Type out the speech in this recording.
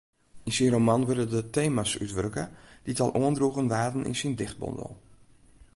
Yn syn roman wurde de tema's útwurke dy't al oandroegen waarden yn syn dichtbondel.